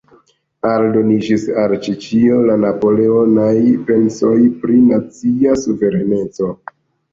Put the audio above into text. Aldoniĝis al ĉi-ĉio la napoleonaj pensoj pri nacia suvereneco.